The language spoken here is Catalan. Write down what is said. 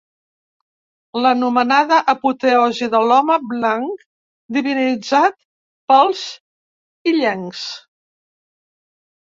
L'anomenada apoteosi de l'home blanc divinitzat pels illencs.